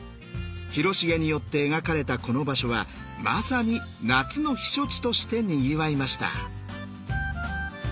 広重によって描かれたこの場所はまさに夏の避暑地としてにぎわいました。